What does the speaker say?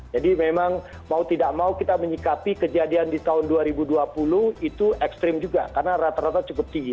jadi memang mau tidak mau kita menyikapi kejadian di tahun dua ribu dua puluh itu ekstrim juga karena rata rata cukup tinggi